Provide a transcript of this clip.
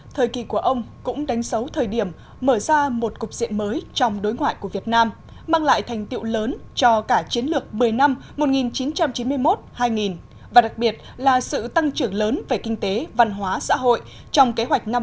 thời kỳ của ông cũng đánh dấu thời điểm mở ra một cục diện mới trong đối ngoại của việt nam mang lại thành tiệu lớn cho cả chiến lược một mươi năm một nghìn chín trăm chín mươi một hai nghìn và đặc biệt là sự tăng trưởng lớn về kinh tế văn hóa xã hội trong kế hoạch năm năm một nghìn chín trăm chín mươi một một nghìn chín trăm chín mươi năm